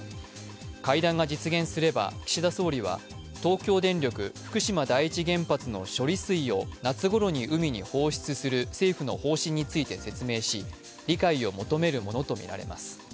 会談が実現すれば岸田総理は東京電力福島第一原発の処理水を夏ごろに海に放出する政府の方針について説明し理解を求めるものとみられます。